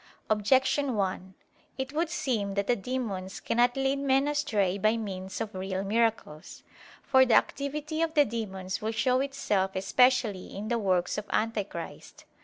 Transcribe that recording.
Objection 1: It would seem that the demons cannot lead men astray by means of real miracles. For the activity of the demons will show itself especially in the works of Antichrist.